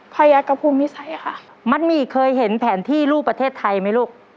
พระยักษภูมินิสัยค่ะมัดหมี่เคยเห็นแผนที่รูปประเทศไทยไหมลูก